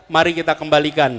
mari kita kembalikan